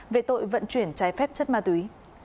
về tội vận chuyển trái phép chất ma túy